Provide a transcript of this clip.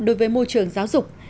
đối với môi trường giáo dục